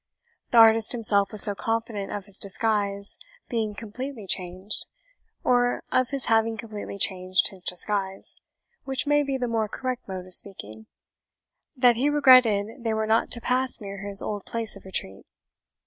The artist himself was so confident of his disguise being completely changed, or of his having completely changed his disguise, which may be the more correct mode of speaking, that he regretted they were not to pass near his old place of retreat.